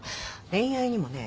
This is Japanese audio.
恋愛にもね